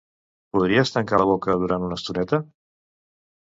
Podries tancar la boca durant una estoneta?